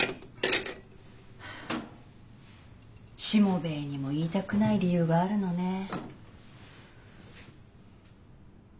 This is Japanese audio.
しもべえにも言いたくない理由があるのね。